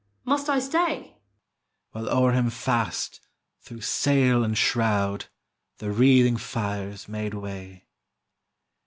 must I stay?" While o'er him fast, through sail and shroud, The wreathing fires made way.